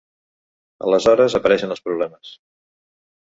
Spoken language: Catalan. Aleshores apareixen els problemes.